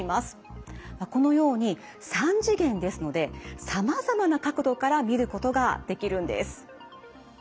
このように３次元ですのでさまざまな角度から見ることができるんです。